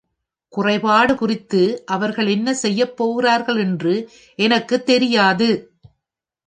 "குறைபாடு" குறித்து அவர்கள் என்ன செய்யப் போகிறார்கள் என்று எனக்கு தெரியாது?!